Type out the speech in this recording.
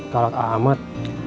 kalau kak amat